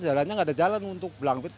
jalannya nggak ada jalan untuk belangket